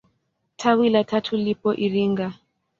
Tawi la tatu lipo Iringa.